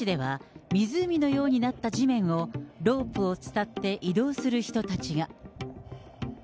西部のイクサン市では、湖のようになった地面を、ロープを伝って移動する人たちが。